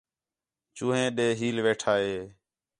چوہین ݙے ہیل ویٹھا ہِے